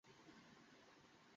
ও আবার কোথায় গেল?